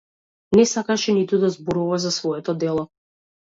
Не сакаше ниту да зборува за своето дело.